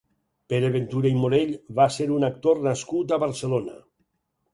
Pere Ventura i Morell va ser un actor nascut a Barcelona.